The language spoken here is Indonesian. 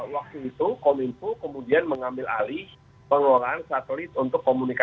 waktu itu kominfo kemudian mengambil alih pengelolaan satelit untuk komunikasi